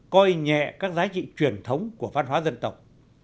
coi nhẹ các giá trị truyền thống của văn hóa dân tộc